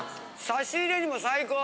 差し入れにも最高！